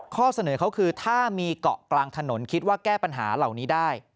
ข้อเสนอเขาคือถ้ามีเกาะกลางถนนคิดว่าแก้ปัญหาเหล่านี้ได้